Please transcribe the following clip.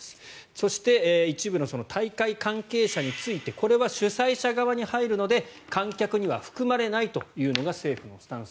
そして一部の大会関係者についてこれは主催者側に入るので観客には含まれないというのが政府のスタンス。